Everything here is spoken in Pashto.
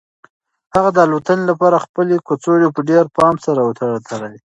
هغه د الوتنې لپاره خپلې کڅوړې په ډېر پام سره وتړلې.